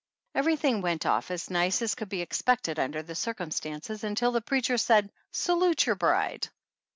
Everything went off as nice as could be ex pected under the circumstances until the preacher said, "Salute your bride."